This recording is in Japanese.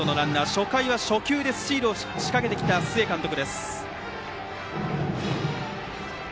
初回は初球でスチールを仕掛けてきた須江監督。